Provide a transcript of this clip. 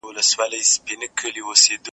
د مشرانو نصيحتونه واورئ.